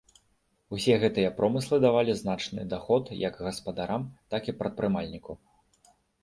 Усе гэтыя промыслы давалі значны даход як гаспадарам, так і прадпрымальніку.